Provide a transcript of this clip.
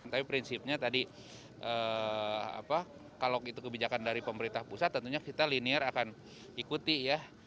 tapi prinsipnya tadi kalau itu kebijakan dari pemerintah pusat tentunya kita linear akan ikuti ya